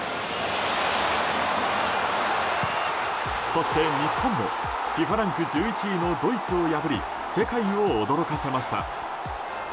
そして、日本もＦＩＦＡランク１１位のドイツを破り世界を驚かせました。